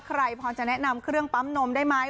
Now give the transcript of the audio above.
ใครพอจะแนะนำเครื่องปั๊มนมได้ไหม